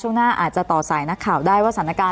ช่วงหน้าอาจจะต่อสายนักข่าวได้ว่าสถานการณ์